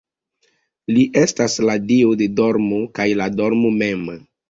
Li estas la dio de dormo kaj la dormo mem.